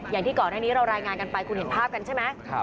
อย่างที่ก่อนหน้านี้เรารายงานกันไปคุณเห็นภาพกันใช่ไหม